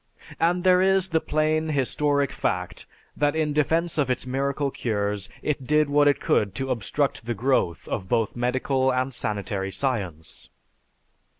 And there is the plain, historic fact, that in defense of its miracle cures it did what it could to obstruct the growth of both medical and sanitary science.